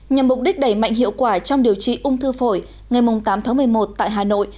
nhằm mục đích đẩy mạnh hiệu quả trong điều trị ung thư phổi ngày tám tháng một mươi một tại hà nội